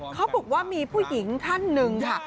เขาบอกว่ามีผู้หญิงท่านหนึ่งค่ะ